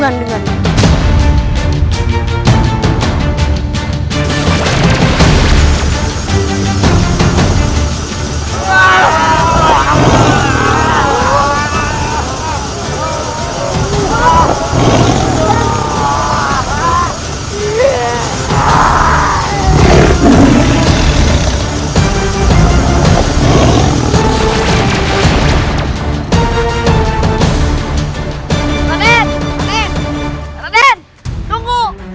raden raden raden tunggu